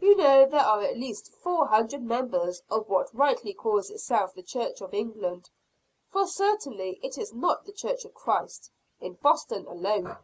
You know there are at least four hundred members of what rightly calls itself the Church of England for certainly it is not the church of Christ in Boston alone!